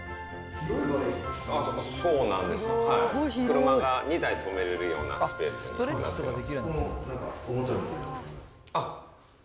車が２台止めれるようなスペースになってます。